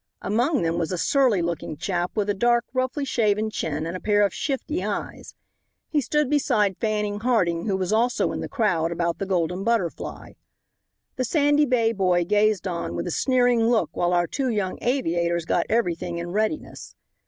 Among them was a surly looking chap with a dark, roughly shaven chin and a pair of shifty eyes. He stood beside Fanning Harding, who was also in the crowd about the Golden Butterfly. The Sandy Bay boy gazed on with a sneering look while our two young aviators got everything in readiness.